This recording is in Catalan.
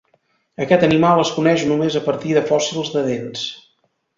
Aquest animal es coneix només a partir de fòssils de dents.